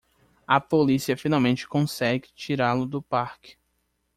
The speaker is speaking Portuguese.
A polícia finalmente consegue tirá-lo do parque!